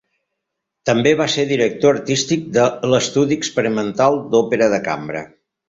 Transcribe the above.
També va ser director artístic de l'Estudi experimental d'òpera de cambra.